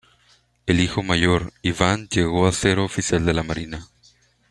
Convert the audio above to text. El hijo mayor, Iván, llegó a ser oficial de la marina.